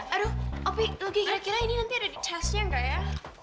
aduh opi lu kira kira ini nanti ada di tesnya gak ya